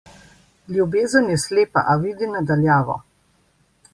Ljubezen je slepa, a vidi na daljavo.